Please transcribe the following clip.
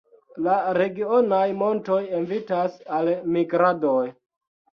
La regionaj montoj invitas al migradoj.